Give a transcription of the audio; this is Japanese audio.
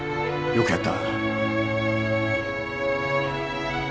よくやった。